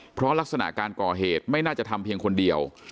เพราะลักษณะการก่อเหตุไม่น่าจะทำเพียงคนเดียว